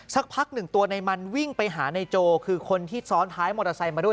สักพักหนึ่งตัวในมันวิ่งไปหานายโจคือคนที่ซ้อนท้ายมอเตอร์ไซค์มาด้วย